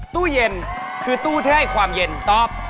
ตู้เย็นคือตู้ที่ให้ความเย็นตอบ